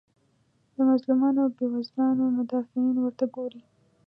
د مظلومانو او بیوزلانو مدافعین ورته ګوري.